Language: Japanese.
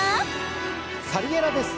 サリエラです。